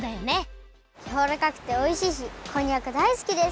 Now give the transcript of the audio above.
やわらかくておいしいしこんにゃくだいすきです。